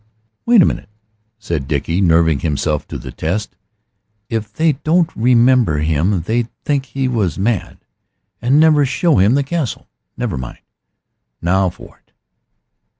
"Wait a minute," said Dickie, nerving himself to the test. If they didn't remember him they'd think he was mad, and never show him the Castle. Never mind! Now for it!